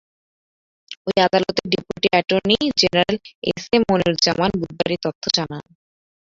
ওই আদালতের deputy attorney general S M Moniruzzaman বুধবার এ তথ্য জানান।